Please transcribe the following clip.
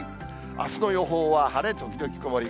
あすの予報は晴れ時々曇り。